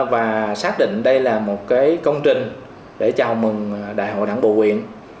và xác định đây là một công trình để chào mừng đại hội đảng bộ quyện